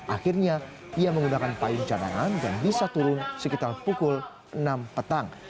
akhirnya ia menggunakan payung cadangan dan bisa turun sekitar pukul enam petang